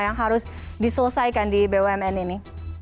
yang harus diselesaikan di bumn ini